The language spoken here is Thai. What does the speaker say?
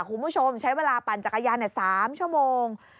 คุณผู้ชมใช้เวลาปั่นจักรยาน๓ชั่วโมง